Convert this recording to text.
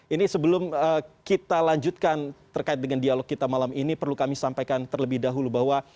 ini sebelum kita lanjutkan terkait dengan dialog kita malam ini perlu kami sampaikan terlebih dahulu bahwa